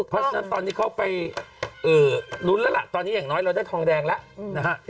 เพราะฉะนั้นตอนนี้เขาไปลุ้นแล้วล่ะตอนนี้อย่างน้อยเราได้ทองแดงแล้วนะฮะ